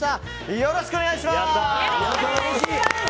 よろしくお願いします。